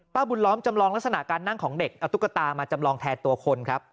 บุญล้อมจำลองลักษณะการนั่งของเด็กเอาตุ๊กตามาจำลองแทนตัวคนครับ